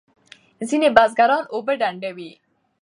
ځینې بزګران اوبه ډنډوي.